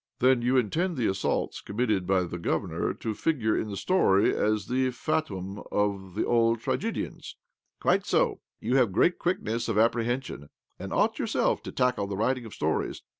" Then you intend the assaults committed by the governor to figure in the story as the fatum of the old tragedians ?"" Quite so," said Penkin. " You have great quickness of apprehension, and ought yourself to tackle the writing of stories.